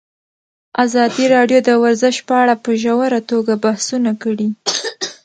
ازادي راډیو د ورزش په اړه په ژوره توګه بحثونه کړي.